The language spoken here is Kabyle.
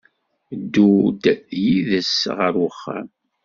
Ddu-d yid-s ɣer uxxam!